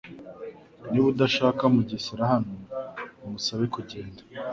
Niba udashaka Mugesera hano, umusabe kugenda .